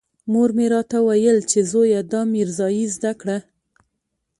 مور مې راته ويل چې زويه دا ميرزايي زده کړه.